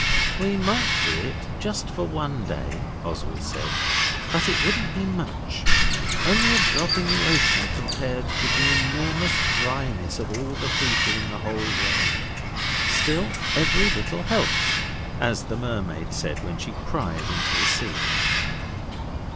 'We might do it, just for one day,' Oswald said, 'but it wouldn't be much only a drop in the ocean compared with the enormous dryness of all the people in the whole world. Still, every little helps, as the mermaid said when she cried into the sea.